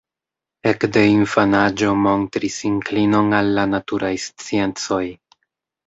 Ek de infanaĝo montris inklinon al la naturaj sciencoj.